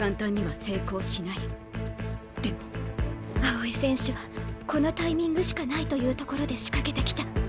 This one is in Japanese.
青井選手はこのタイミングしかないというところで仕掛けてきた。